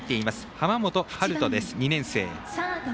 濱本遥大です、２年生。